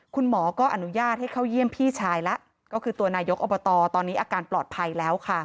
คุณหมอก็อนุญาตให้เข้าเยี่ยมพี่ชายแล้วก็คือตัวนายกอบตตอนนี้อาการปลอดภัยแล้วค่ะ